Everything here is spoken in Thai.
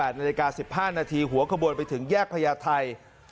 นาฬิกา๑๕นาทีหัวขบวนไปถึงแยกพญาไทย